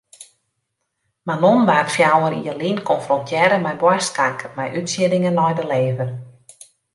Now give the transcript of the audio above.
Manon waard fjouwer jier lyn konfrontearre mei boarstkanker mei útsieddingen nei de lever.